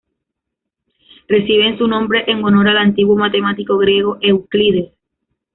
Reciben su nombre en honor al antiguo matemático griego Euclides.